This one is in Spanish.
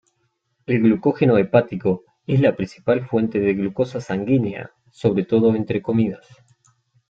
El glucógeno hepático es la principal fuente de glucosa sanguínea, sobre todo entre comidas.